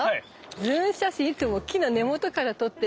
「ずぅぅん写真」いつも木の根元から撮ってるけど。